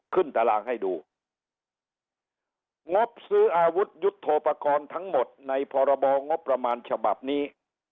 ตารางให้ดูงบซื้ออาวุธยุทธโปรกรณ์ทั้งหมดในพรบงบประมาณฉบับนี้